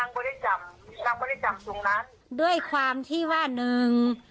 นางก็ได้จำนางก็ได้จำตรงนั้นด้วยความที่ว่าหนึ่ง